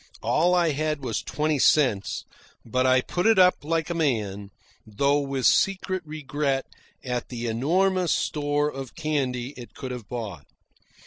All I had was twenty cents, but I put it up like a man, though with secret regret at the enormous store of candy it could have bought.